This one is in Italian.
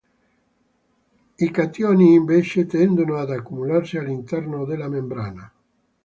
I cationi, invece, tendono ad accumularsi all’interno della membrana.